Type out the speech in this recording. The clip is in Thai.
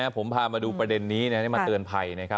ผมพามาดูประเด็นนี้ได้มาเตือนภัยใช่ไหมครับ